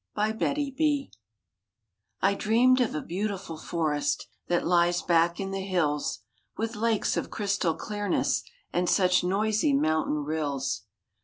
*MY DREAM* I dreamed of a beautiful forest That lies back in the hills, With lakes of crystal clearness And such noisy mountain rills.